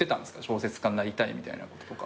小説家になりたいみたいなこととかは。